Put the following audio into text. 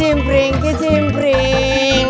abang pujarnya berani belum keluar kan